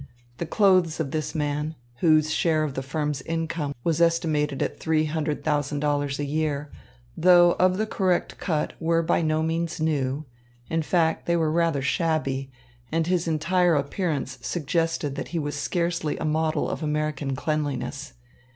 The clothes of this man, whose share of the firm's income was estimated at three hundred thousand dollars a year, though of the correct cut, were by no means new; in fact, they were rather shabby, and his entire appearance suggested that he was scarcely a model of American cleanliness.